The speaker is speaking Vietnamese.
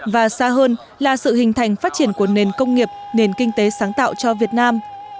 và xa hơn là sự hình thành phát triển của nền công nghiệp nền kinh tế sáng tạo cho việt nam